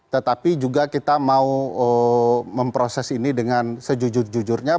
tetapi juga kita mau memproses ini dengan sejujur jujurnya